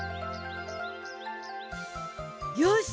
よし！